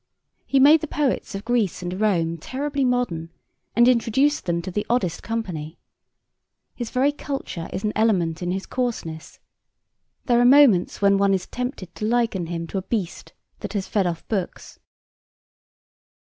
He made the poets of Greece and Rome terribly modern, and introduced them to the oddest company. His very culture is an element in his coarseness. There are moments when one is tempted to liken him to a beast that has fed off books.